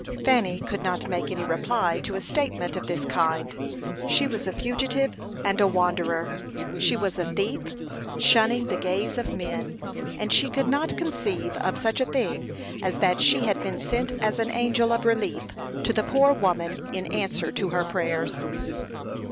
Fanny could not make any reply to a statement of this kind. She was a fugitive and a wanderer; she was a thief, shunning the gaze of men, and she could not conceive of such a thing as that she had been sent as an angel of relief to the poor woman in answer to her prayers.